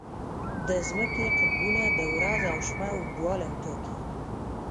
د ځمکې قطبونه د ورځ او شپه اوږدوالی ټاکي.